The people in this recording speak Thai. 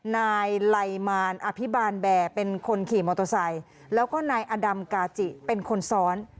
นายไลมารอภิบาลแบร์เป็นคนขี่มอเตอร์ไซค์แล้วก็นายอดำกาจิเป็นคนซ้อน